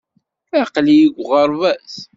Aql-iyi deg uɣerbaz.